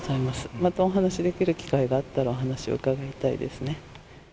またお話できる機会があったら、お話を伺いたいですね。